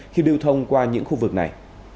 khi điều thông qua những khu vực này